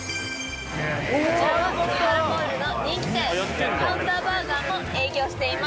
こちらはカハラモールの人気店カウンターバーガーも営業しています。